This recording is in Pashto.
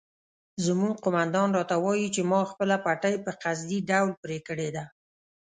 زموږ قومندان راته وایي چې ما خپله پټۍ په قصدي ډول پرې کړې ده.